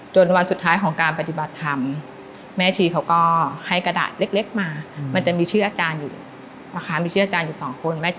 จนวันสุดท้ายของการปฏิบัติธรรม